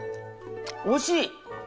おいしい！